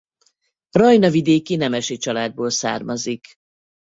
Rajna-vidéki nemesi családból származik.